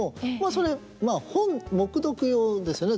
それ本黙読用ですね